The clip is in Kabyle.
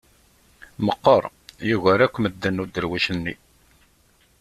Meqqer, yugar akk medden uderwic-nni.